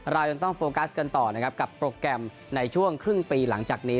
เรายังต้องโฟกัสกันต่อนะครับกับโปรแกรมในช่วงครึ่งปีหลังจากนี้